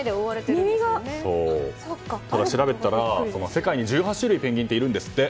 ただ、調べたら世界に１８種類ペンギンっているんですって。